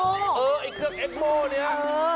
เออไอเครื่องเอกโมเนี่ย